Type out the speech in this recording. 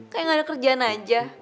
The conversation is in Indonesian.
kayak gak ada kerjaan aja